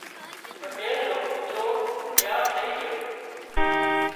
پٽيل نو ڪوترو تيار ٿئي جھو